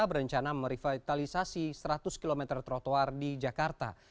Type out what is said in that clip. berencana merevitalisasi seratus km trotoar di jakarta